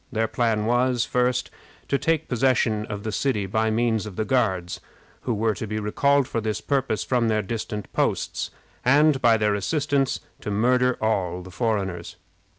Their plan was, first, to take possession of the city by means of the Guards, who were to be recalled for this purpose from their distant posts, and by their assistance to murder all the foreigners.